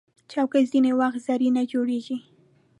چوکۍ ځینې وخت زرینه جوړیږي.